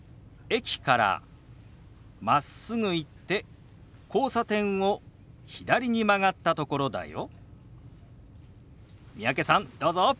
駅からまっすぐ行って交差点を左に曲がったところだよ。